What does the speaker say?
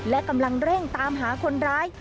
และกำลังเร่งตามหาคนร้าย